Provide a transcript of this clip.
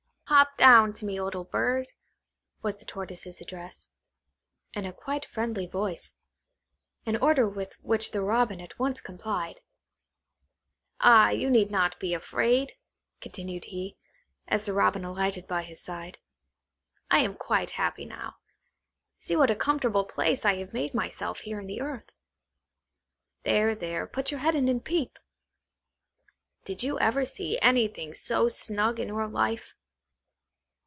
"Hop down to me, little bird!" was the Tortoise's address, in a quite friendly voice; an order with which the Robin at once complied. "Ah, you need not be afraid," continued he, as the Robin alighted by his side. " I am quite happy now. See what a comfortable place I have made myself here in the earth. There, there, put your head in and peep. Did you ever see anything so snug in your life?"